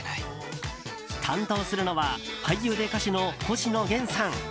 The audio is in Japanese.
担当するのは俳優で歌手の星野源さん。